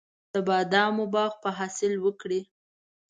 د بادامو باغ به حاصل وکړي.